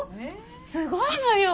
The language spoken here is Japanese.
すごいのよ！